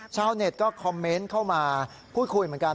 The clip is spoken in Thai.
ชาวเน็ตก็คอมเมนต์เข้ามาพูดคุยเหมือนกัน